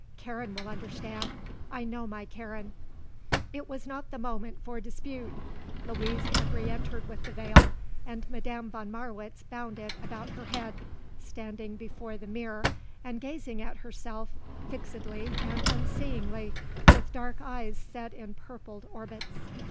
Karen will understand. I know my Karen." It was not the moment for dispute. Louise had re entered with the veil and Madame von Marwitz bound it about her head, standing before the mirror, and gazing at herself, fixedly and unseeingly, with dark eyes set in purpled orbits.